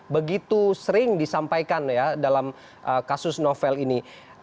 begitu sering disampaikan ya dalam kasus novel ini